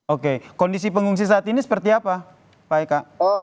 oke kondisi pengungsi saat ini seperti apa pak eka